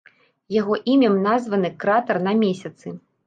Яго імем названы кратар на месяцы.